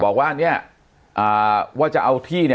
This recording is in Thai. บอกว่าว่าจะเอาที่